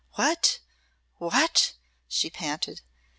"What! what!" she panted.